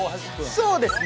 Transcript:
そうですね